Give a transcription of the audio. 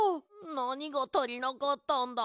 なにがたりなかったんだ？